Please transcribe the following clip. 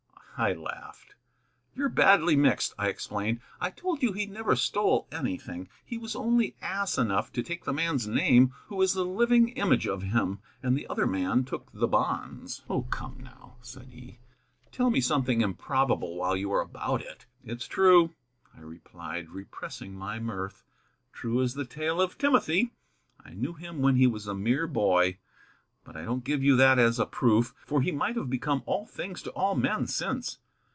I laughed. "You're badly mixed," I explained. "I told you he never stole anything. He was only ass enough to take the man's name who is the living image of him. And the other man took the bonds." "Oh, come now," said he, "tell me something improbable while you are about it." "It's true," I replied, repressing my mirth; "true as the tale of Timothy. I knew him when he was a mere boy. But I don't give you that as a proof, for he might have become all things to all men since.